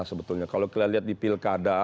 sebetulnya kalau kita lihat di pilkada